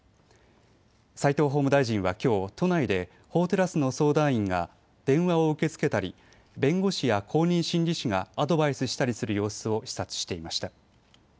齋藤法務大臣はきょう都内で法テラスの相談員が電話を受け付けたり弁護士や公認心理師がアドバイスしたりする様子を視察していました。